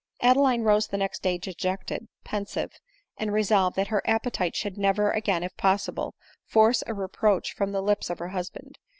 Adeline rose the next day dejected, pensive, and re* solved that her appetite should never again, if possible, force a reproach from the lips of her husband.